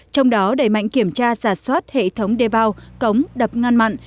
trong đó đẩy mạnh kiểm tra giả soát hệ thống đê bao cống đập ngăn mặn